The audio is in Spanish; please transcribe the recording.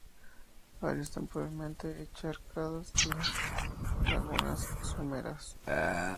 Áreas temporalmente encharcadas y lagunas someras.